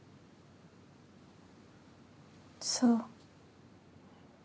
そう。